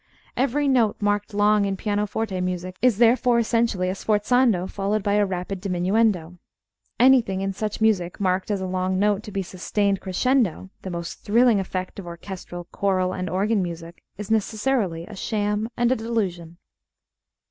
Every note marked long in pianoforte music is therefore essentially a sforzando followed by a rapid diminuendo. Anything in such music marked as a long note to be sustained crescendo the most thrilling effect of orchestral, choral, and organ music is necessarily a sham and a delusion.